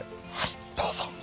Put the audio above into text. はいどうぞ。